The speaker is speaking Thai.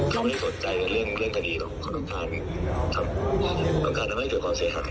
เขาไม่ได้สนใจเรื่องคดีเขาต้องการทำให้เกิดความเสียหายข้างเอง